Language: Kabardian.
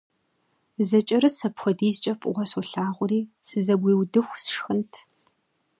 Зэкӏэрыс апхуэдизкӏэ фӏыуэ солъагъури сызэгуиудыху сшхынт.